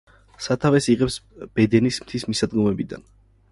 სათავეს იღებს ბედენის მთის მისადგომებიდან.